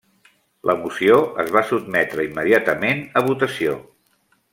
La moció es va sotmetre immediatament a votació.